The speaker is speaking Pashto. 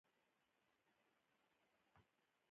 دا حیوان چټک برید کوي.